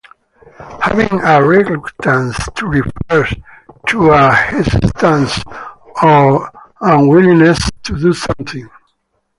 Having a reluctance to refers to a hesitance or unwillingness to do something.